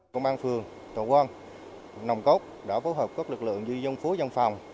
công an phường tổ quân nông cốc đã phối hợp các lực lượng như dân phố dân phòng